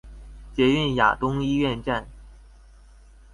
捷運亞東醫院站